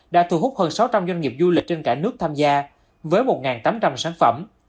đã thu hút hơn sáu trăm linh doanh nghiệp du lịch trên cả nước tham gia với một tám trăm linh sản phẩm